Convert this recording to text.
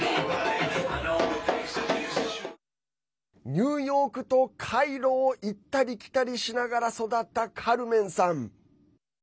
ニューヨークとカイロを行ったり来たりしながら育ったカルメンさん。